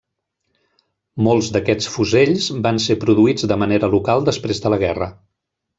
Molts d'aquests fusells van ser produïts de manera local després de la guerra.